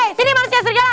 hai sini manusia serigala